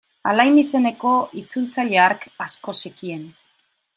Alain izeneko itzultzaile hark asko zekien.